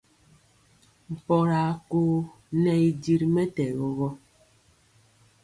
Mpɔŋga a kóo ŋɛ y di ri mɛtɛgɔ gɔ.